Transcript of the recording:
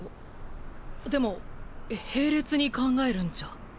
でも並列に考えるんじゃ。